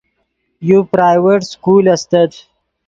یو پرائیویٹ سکول استت